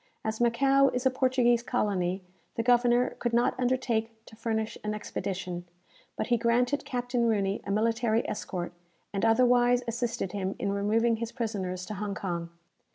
As Macao is a Portuguese colony, the governor could not undertake to furnish an expedition; but he granted Captain Rooney a military escort, and otherwise assisted him in removing his prisoners to Hong Kong.